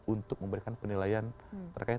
untuk memberikan penilaian terkait